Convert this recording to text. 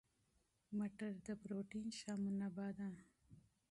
مټر د پروتین ښه منبع ده.